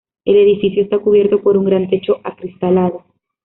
El edificio está cubierto por un gran techo acristalado.